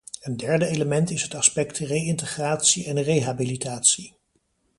Een derde element is het aspect re-integratie en rehabilitatie.